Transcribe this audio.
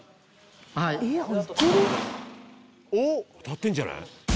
当たってんじゃない？